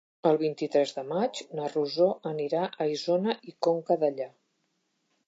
El vint-i-tres de maig na Rosó anirà a Isona i Conca Dellà.